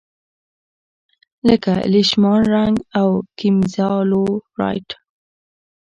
لکه لیشمان رنګ او ګیمزا لو رایټ.